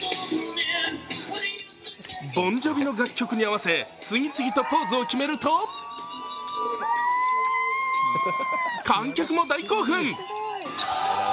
ＢｏｎＪｏｖｉの楽曲に合わせ、次々とポーズを決めると観客も大興奮。